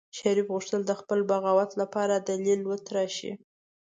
شريف غوښتل د خپل بغاوت لپاره دليل وتراشي.